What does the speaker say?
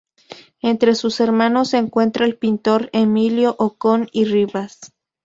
Entre sus hermanos se encuentra el pintor Emilio Ocón y Rivas.